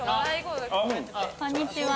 こんにちは。